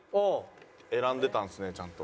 選んでたんですねちゃんと。